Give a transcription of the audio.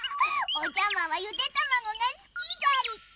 おじゃまはゆでたまごがすきじゃり。